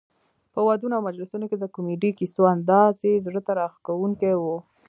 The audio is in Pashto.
په ودونو او مجلسونو کې د کمیډي کیسو انداز یې زړه ته راښکوونکی وو.